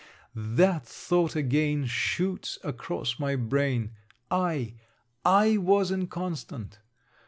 that thought again shoots across my brain I I was inconstant!